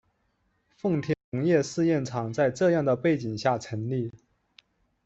奉天农业试验场在这样的背景下成立。